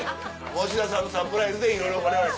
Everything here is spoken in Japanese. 持田さんのサプライズでいろいろわれわれ。